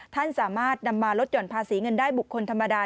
ท่านสามารถนำมาลดหย่อนภาษีเงินได้บุคคลธรรมดา